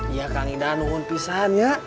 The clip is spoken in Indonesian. iya kang idan umun pisan ya